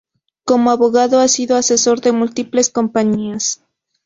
Como abogado ha sido asesor de múltiples compañías.